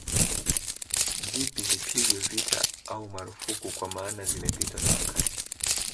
Zipi zipigwe vita au marufuku kwa maana zimepitwa na wakati